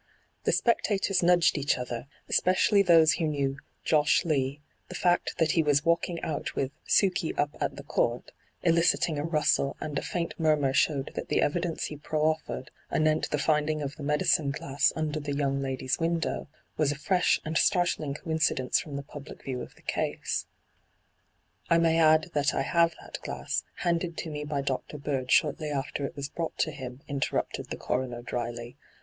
The spectators nudged each other, especially those who knew * Josh * Lee — ihe fact that he was ' walking out ' with ' Sukey up at the Court '— eliciting a rustle and a faint murmur showed that the evidence he proffered, anent the finding of the medicine glass under the young lady's window, was a n,gn, .^hyG00t^le ENTRAPPED 75 fresh aad startling ooinoidence from the public view of the case. ' I may add that I have that glass, handed to me by Dr. Bird shortly after it was brought to him,' interrupted the coroner dryly.